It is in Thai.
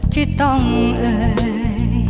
ที่ต้องเอ่ย